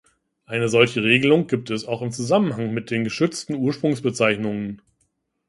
Eine solche Regelung gibt es auch im Zusammenhang mit den geschützten Ursprungsbezeichnungen.